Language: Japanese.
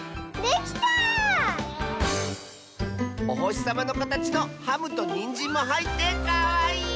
おほしさまのかたちのハムとにんじんもはいってかわいい！